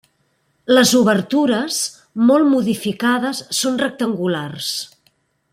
Les obertures, molt modificades, són rectangulars.